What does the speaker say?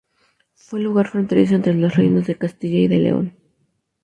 Fue lugar fronterizo entre los reinos de Castilla y de León.